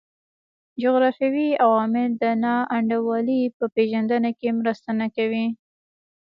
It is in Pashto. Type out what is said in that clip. جغرافیوي عوامل د نا انډولۍ په پېژندنه کې مرسته نه کوي.